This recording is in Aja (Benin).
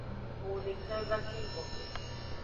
Owo deke va keng gboxwe.